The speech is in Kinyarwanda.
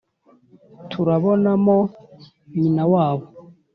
turabona mo nyina wabo